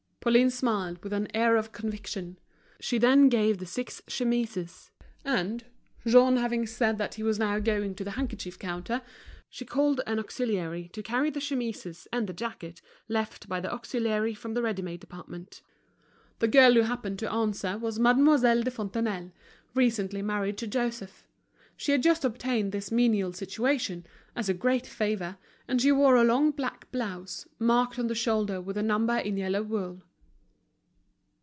Pauline smiled with an air of conviction. She then gave the six chemises; and, Jean having said that he was now going to the handkerchief counter, she called an auxiliary to carry the chemises and the jacket left by the auxiliary from the readymade department. The girl who happened to answer was Mademoiselle de Fontenailles, recently married to Joseph. She had just obtained this menial situation as a great favor, and she wore a long black blouse, marked on the shoulder with a number in yellow wool.